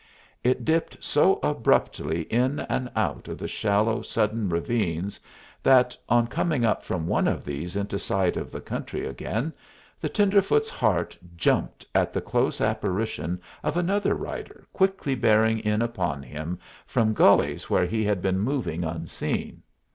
It dipped so abruptly in and out of the shallow sudden ravines that, on coming up from one of these into sight of the country again, the tenderfoot's heart jumped at the close apparition of another rider quickly bearing in upon him from gullies where he had been moving unseen.